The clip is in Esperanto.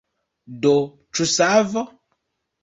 Do, ĉu savo?